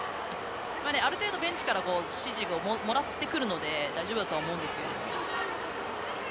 ある程度、ベンチからも指示をもらってくるので大丈夫だとは思いますが。